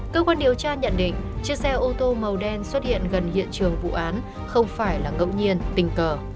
cơ quan điều tra nhận định chiếc xe ô tô màu đen xuất hiện gần hiện trường vụ án không phải là ngẫu nhiên tình cờ